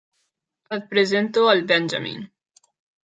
Et presento el Benjamin.